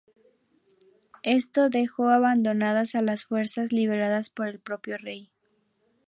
Esto dejó abandonadas a las fuerzas lideradas por el propio rey.